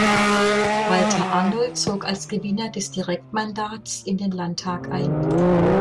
Walter Arnold zog als Gewinner des Direktmandats in den Landtag ein.